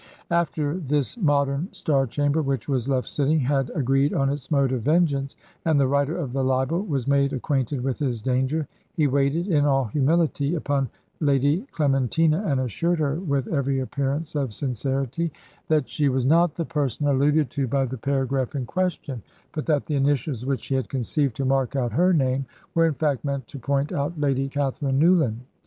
After this modern star chamber, which was left sitting, had agreed on its mode of vengeance, and the writer of the libel was made acquainted with his danger, he waited, in all humility, upon Lady Clementina, and assured her, with every appearance of sincerity, "That she was not the person alluded to by the paragraph in question, but that the initials which she had conceived to mark out her name, were, in fact, meant to point out Lady Catherine Newland."